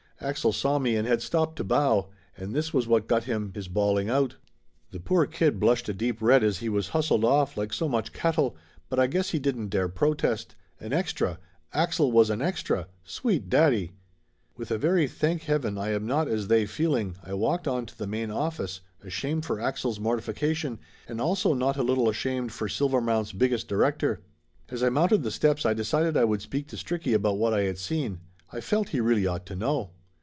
Axel saw me, and had stopped to bow, and this was what got him his bawling out. The poor kid blushed a deep red as he was hustled off like so much cattle, but I guess he didn't dare protest. An extra ! Axel was an extra ! Sweet daddy ! With a very Thank heaven I am not as they feeling, I walked on to the main office, ashamed for Axel's mortification, and also not a little ashamed for Silver mount's biggest director. As I mounted the steps I decided I would speak to Stricky about what I had seen. I felt he really ought to know.